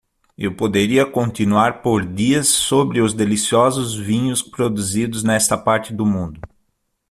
Eu poderia continuar por dias sobre os deliciosos vinhos produzidos nesta parte do mundo.